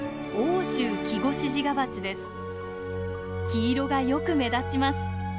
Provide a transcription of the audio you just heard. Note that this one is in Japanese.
黄色がよく目立ちます。